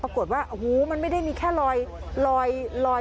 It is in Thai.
ปรากฏว่าโอ้โหมันไม่ได้มีแค่ลอยลอย